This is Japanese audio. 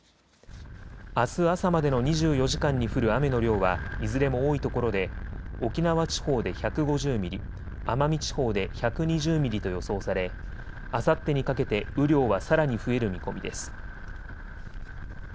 あす朝までの２４時間に降る雨の量はいずれも多いところで沖縄地方で１５０ミリ、奄美地方で１２０ミリと予想されあさってにかけて雨量はさらに増える見込みです。